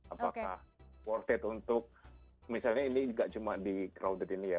apakah worth it untuk misalnya ini enggak cuma di crowded ini ya